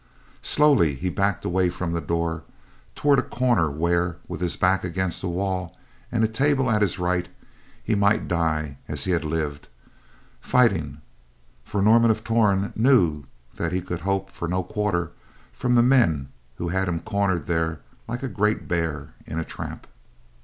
Slowly, he backed away from the door toward a corner where, with his back against a wall and a table at his right, he might die as he had lived, fighting; for Norman of Torn knew that he could hope for no quarter from the men who had him cornered there like a great bear in a trap.